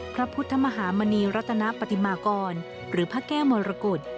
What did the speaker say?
พระพุทธมหามณีรัตนปฏิมากรหรือพระแก้วมรกฏ